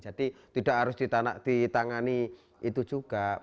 jadi tidak harus ditangani itu juga